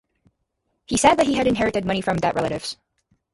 He said that he had inherited money from dead relatives.